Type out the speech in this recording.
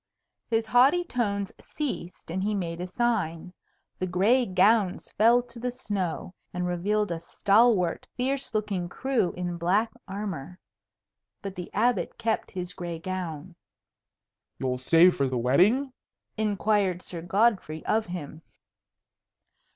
His haughty tones ceased, and he made a sign. The gray gowns fell to the snow, and revealed a stalwart, fierce looking crew in black armour. But the Abbot kept his gray gown. "You'll stay for the wedding?" inquired Sir Godfrey of him.